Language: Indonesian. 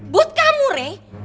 buat kamu rey